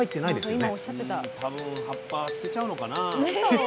うん多分葉っぱは捨てちゃうのかな？